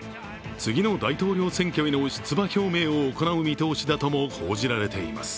次の大統領選挙への出馬表明を行う見通しだとも報じられています。